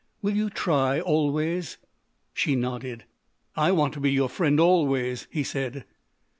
Will you try, always?" She nodded. "I want to be your friend, always," he said.